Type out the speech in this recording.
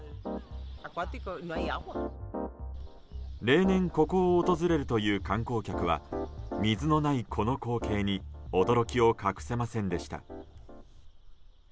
例年ここを訪れるという観光客は水のないこの光景に驚きを隠せませんでした。